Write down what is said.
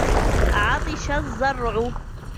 عَطِشَ الزَّرْعُ.